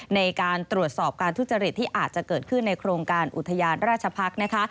ในการตรวจสอบการทุจริตที่อาจจะเกิดขึ้นในโครงการอุทยานราชพักษ์นะคะ